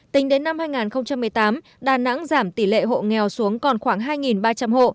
tính đến năm hai nghìn một mươi tám đà nẵng giảm tỷ lệ hộ nghèo xuống còn khoảng hai ba trăm linh hộ